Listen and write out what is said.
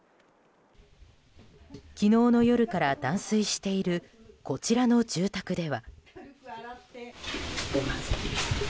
昨日の夜から断水しているこちらの住宅では。